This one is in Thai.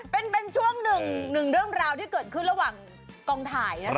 เป็นช่วงหนึ่งเรื่องราวที่เกิดขึ้นระหว่างกองถ่ายนะคะ